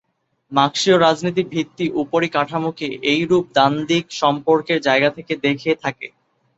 মার্কসীয় রাজনীতি ভিত্তি-উপরিকাঠামোকে এইরূপ দ্বান্দ্বিক সম্পর্কের জায়গা থেকে দেখে থাকে।